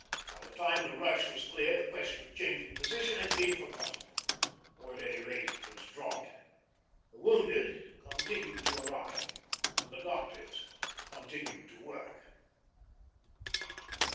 By the time the rush was cleared the question of changing position had been forgotten, or, at any rate, was dropped. The wounded continued to arrive, and the doctors continued to work.